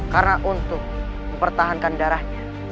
karena untuk mempertahankan darahnya